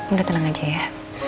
udah tenang aja ya